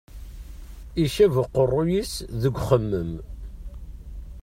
Icab uqeṛṛuy-is deg uxemmem.